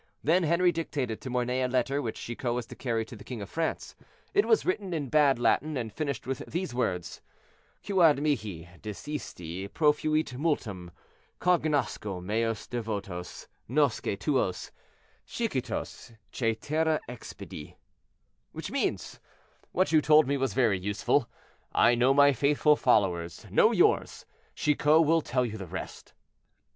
Then Henri dictated to Mornay a letter, which Chicot was to carry to the king of France. It was written in bad Latin, and finished with these words: "Quod mihi dixisti profuit multum. Cognosco meos devotos; nosce tuos. Chicotos cætera expedit." Which means, "What you told me was very useful. I know my faithful followers; know yours. Chicot will tell you the rest."